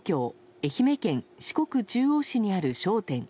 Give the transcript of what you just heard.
愛媛県四国中央市にある商店。